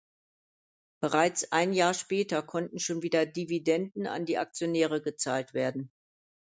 Bereits ein Jahr später konnten schon wieder Dividenden an die Aktionäre gezahlt werden.